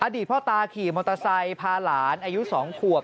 พ่อตาขี่มอเตอร์ไซค์พาหลานอายุ๒ขวบ